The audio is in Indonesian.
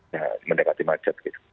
nah mendekati macet gitu